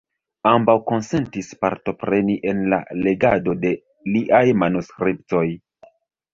Ambaŭ konsentis partopreni en la legado de liaj manuskriptoj.